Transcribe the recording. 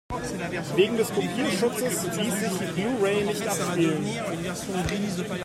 Wegen des Kopierschutzes ließ sich die Blu-ray nicht abspielen.